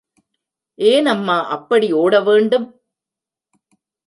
ஏனம்மா அப்படி ஒட வேண்டும்?